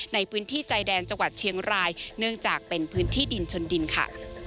ในพื้นที่ใจแดนจังหวัดเชียงรายเนื่องจากเป็นพื้นที่ดินชนดินค่ะ